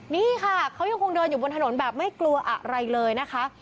นี่ค่ะเขายังคงเดินอยู่บนถนนแบบไม่กลัวอะไรเลยนะคะ